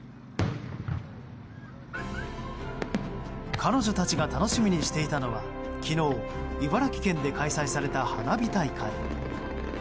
彼女たちが楽しみにしていたのは昨日、茨城県で開催された花火大会。